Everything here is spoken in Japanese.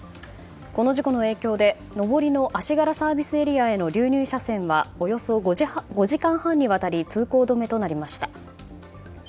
この事故の影響で上りの足柄ＳＡへの流入車線はおよそ５時間半にわたり通行止めとなりました。